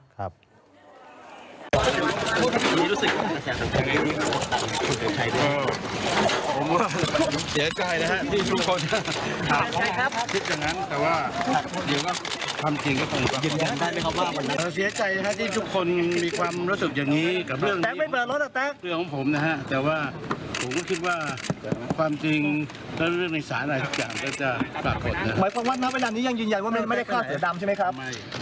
วันนี้ยังยืนยันว่าไม่ได้ฆ่าเสือดำใช่ไหมครับ